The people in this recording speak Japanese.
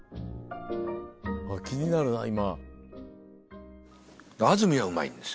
気になるな今。